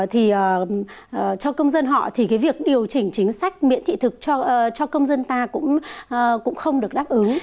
thì cho công dân họ thì cái việc điều chỉnh chính sách miễn thị thực cho công dân ta cũng không được đáp ứng